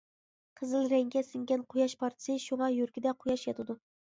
قىزىل رەڭگە سىڭگەن قۇياش پارچىسى، شۇڭا يۈرىكىدە قۇياش ياتىدۇ.